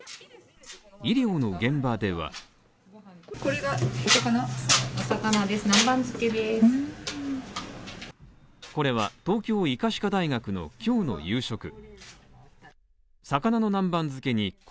医療の現場ではこれは東京医科歯科大学の今日の夕食。